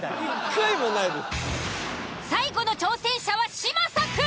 最後の挑戦者は嶋佐くん。